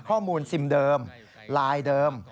ข้อมูลซิมเดิมไลน์เดิม